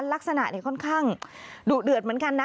ลักษณะค่อนข้างดุเดือดเหมือนกันนะ